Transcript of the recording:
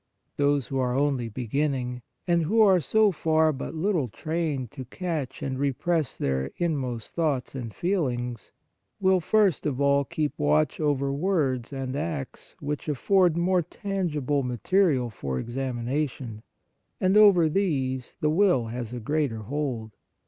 Those who are only beginning, and who are so far but little trained to catch and repress their inmost thoughts and feelings, will first of all keep watch over words and acts which afford more tangible material for examination, and over these the will has a greater hold.